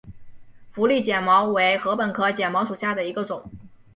佛利碱茅为禾本科碱茅属下的一个种。